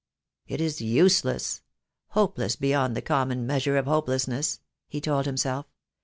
"It is useless — hopeless beyond the common measure of hopelessness," he told himself.